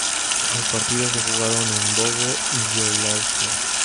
Los partidos se jugaron en Bobo-Dioulasso.